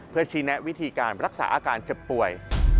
เพื่อชี้แนะวิธีการรักษาอาการเจ็บป่วย